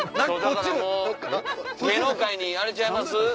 芸能界にあれちゃいます？